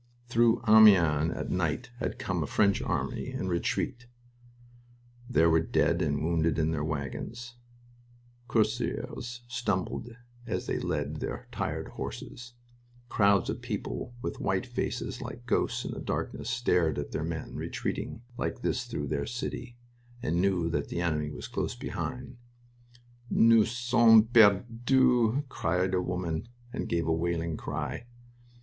Through Amiens at night had come a French army in retreat. There were dead and wounded on their wagons. Cuirassiers stumbled as they led their tired horses. Crowds of people with white faces, like ghosts in the darkness, stared at their men retreating like this through their city, and knew that the enemy was close behind. "Nous sommes perdus!" whispered a woman, and gave a wailing cry.